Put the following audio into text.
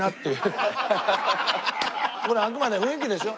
これあくまで雰囲気ですよ。